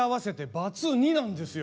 バツ２なんですよ。